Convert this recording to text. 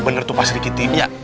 bener tuh pas dikitin dia